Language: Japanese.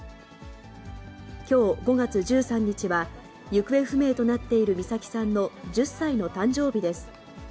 きょう５月１３日は、行方不明となっている美咲さんの１０歳の誕生日です。